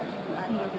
tuan ibu ani